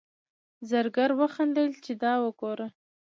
زرګر وخندل چې دا وګوره.